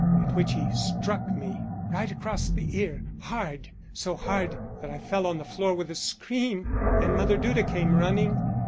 At which he struck me, right across the ear, hard, so hard that I fell on the floor with a scream, and Mother Duda came running.